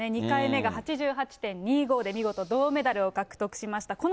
２回目が８８．２５で、見事銅メダルを獲得しました。